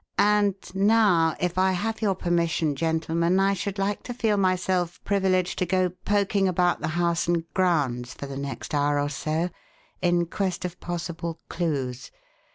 And now, if I have your permission, gentlemen, I should like to feel myself privileged to go poking about the house and grounds for the next hour or so in quest of possible clues.